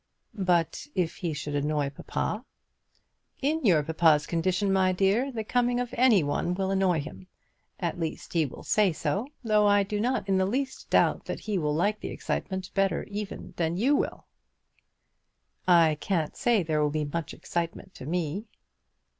"But if he should annoy papa?" "In your papa's condition, my dear, the coming of any one will annoy him. At least, he will say so; though I do not in the least doubt that he will like the excitement better even than you will." "I can't say there will be much excitement to me."